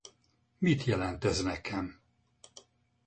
Mit jelent ez nekem?